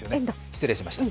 失礼しました。